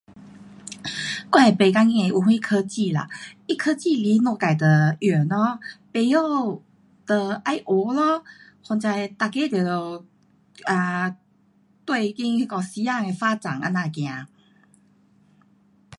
um 我也不当心有什科技啦。它科技来我们自就用咯，不会就要学咯。反正每个都得 um 跟那个时间的发展这样走。